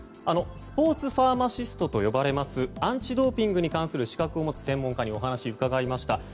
スポーツファーマシストと呼ばれますアンチドーピングの資格を持つ専門家にお話を伺いました。